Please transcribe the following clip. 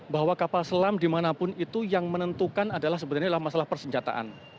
bahwa kapal selam dimanapun itu yang menentukan adalah sebenarnya adalah masalah persenjataan